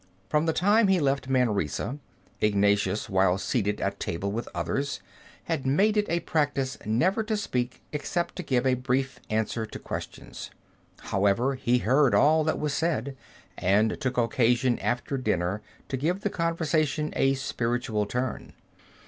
From the time he left Manresa, Ignatius, while seated at table with others, had made it a practice never to speak except to give a brief answer to questions. However, he heard all that was said, and took occasion after dinner to give the conversation a spiritual turn.